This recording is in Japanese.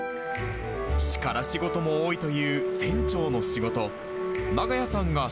力仕事も多いという船長の仕事。